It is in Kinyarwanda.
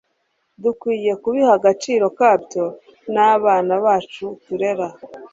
dukwiye kubiha agaciro kabyo n'abana bacu turera